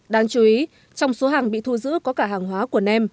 đáng chú ý trong số hàng bị thu giữ có cả hàng hóa của nem